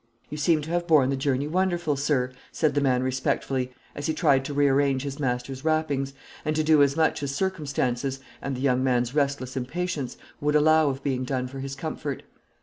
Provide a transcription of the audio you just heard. "You seem to have borne the journey wonderful, sir," the man said respectfully, as he tried to rearrange his master's wrappings, and to do as much as circumstances, and the young man's restless impatience, would allow of being done for his comfort.